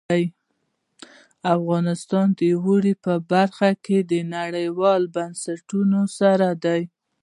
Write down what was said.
افغانستان د واورې په برخه کې نړیوالو بنسټونو سره دی.